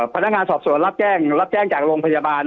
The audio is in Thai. พนักงานสอบสวนรับแจ้งจากโรงพยาบาล